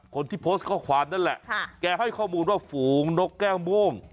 คนที่โพสต์ข้อความนั่นแหละแกให้ข้อมูลว่าฝูงนกแก้วม่วง